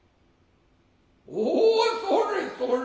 おおそれそれ。